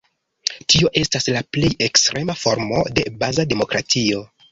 Tio estas la plej ekstrema formo de baza demokratio.